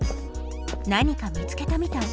何か見つけたみたい。